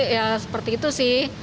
ya seperti itu sih